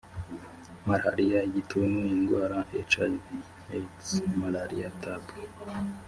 malaria igituntu indwara hiv aids malaria tb